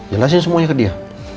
jelasin semuanya ke dia